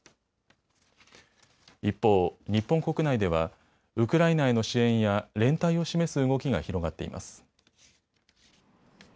一方、日本国内ではウクライナへの支援や連帯を示す動きが広がっています。